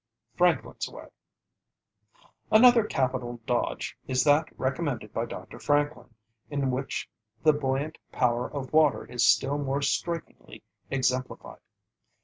FRANKLIN'S WAY Another capital dodge is that recommended by Dr. Franklin, in which the buoyant power of water is still more strikingly exemplified.